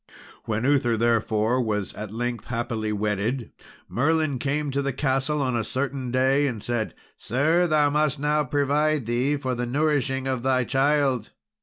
When Uther, therefore, was at length happily wedded, Merlin came to the castle on a certain day, and said, "Sir, thou must now provide thee for the nourishing of thy child."